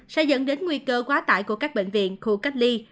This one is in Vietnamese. sẽ dẫn đến nguy cơ quá tải của các bệnh viện khu cách ly